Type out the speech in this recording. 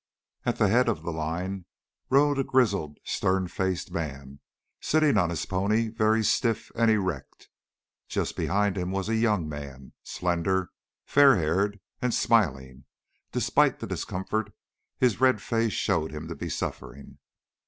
At the head of the line rode a grizzled, stern faced man, sitting on his pony very stiff and erect. Just behind him was a young man, slender, fair haired and smiling, despite the discomfort his red face showed him to be suffering.